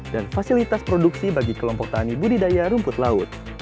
dan fasilitas produksi bagi kelompok tani budidaya rumput laut